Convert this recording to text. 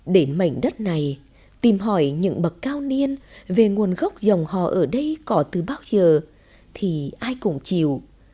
đến mảnh đất này tìm hỏi những bậc cao niên về nguồn gốc dòng họ ở đây có từ bao giờ thì ai cũng chịu